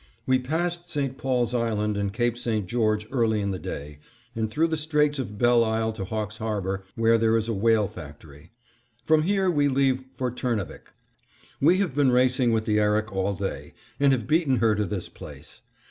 We passed St. Paul's Island and Cape St. George early in the day and through the Straits of Belle Isle to Hawks Harbor, where there is a whale factory. From here we leave for Turnavik. We have been racing with the Erik all day, and have beaten her to this place.